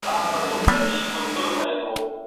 سوال کوم کله دي ژړلي ګراني